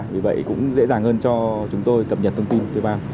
vì vậy cũng dễ dàng hơn cho chúng tôi cập nhật thông tin thuê bao